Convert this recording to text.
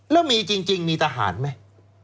แล้วมีจริงมีทหารไหม